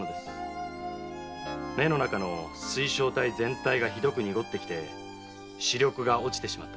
目の中の水晶体全体が濁ってきて視力が落ちてしまったのです。